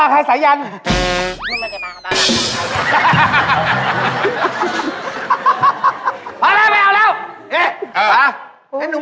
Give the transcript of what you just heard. ในน้ำนิดนึง